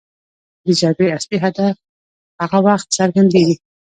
د جګړې اصلي هدف هغه وخت څرګندېږي.